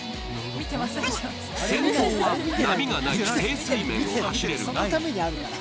先頭は波がない静水面を走れる。